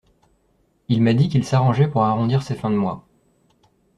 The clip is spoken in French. Il m’a dit qu’il s’arrangeait pour arrondir ses fins de mois.